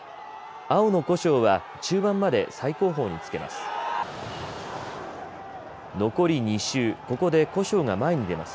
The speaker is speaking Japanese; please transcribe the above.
青の古性は中盤まで最後方につけます。